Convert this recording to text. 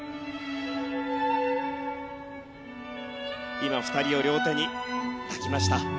今、２人を両手に抱きました。